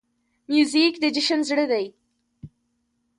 موزیک د جشن زړه دی.